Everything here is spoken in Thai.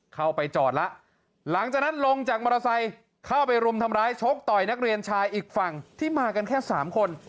เข้าไปจอดแล้วหลังจากนั้นลงจากมอเตอร์ไซค์เข้าไปรุมทำร้ายชกต่อยนักเรียนชายอีกฝั่งที่มากันแค่สามคน